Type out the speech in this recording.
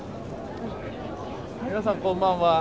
皆さんこんばんは。